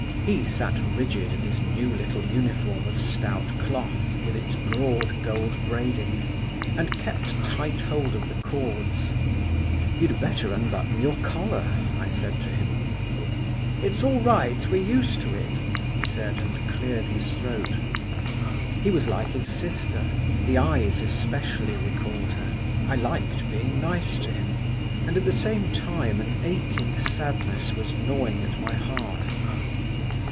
He sat rigid in his new little uniform of stout cloth, with its broad gold braiding, and kept tight hold of the cords. "You'd better unbutton your collar," I said to him. "It's all right; we're used to it," he said, and cleared his throat. He was like his sister. The eyes especially recalled her, I liked being nice to him; and at the same time an aching sadness was gnawing at my heart.